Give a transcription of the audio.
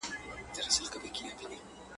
o لکه چرگ، غول خوري، مشوکه څنډي.